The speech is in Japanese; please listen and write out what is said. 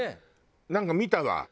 なんか見たわ。